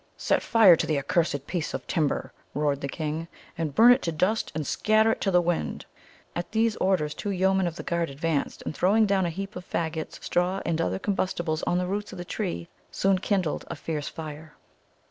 "Set fire to the accursed piece of timber!" roared the king, "and burn it to dust, and scatter it to the wind!" At these orders two yeomen of the guard advanced, and throwing down a heap of fagots, straw, and other combustibles on the roots of the tree, soon kindled a fierce fire.